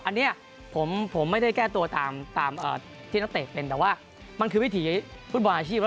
อันนี้ผมไม่ได้แก้ตัวตามที่นักเตะเป็นแต่ว่ามันคือวิถีฟุตบอลอาชีพแล้ว